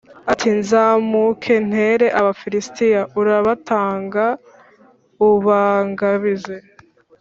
ati “Nzamuke ntere Abafilisitiya? Urabatanga ubangabize?”